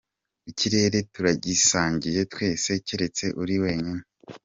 Ikirere turagisangiye twese keretse uri wenyine.